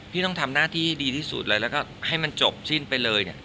พี่ต้องทำหน้าที่ให้ดีที่สุดเลยแล้วก็ให้มันจบสิ้นไปเลยเนี่ย